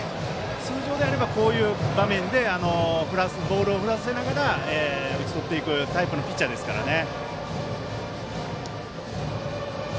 通常であればこういう場面でボールを振らせながら打ち取っていくタイプのピッチャーですからね。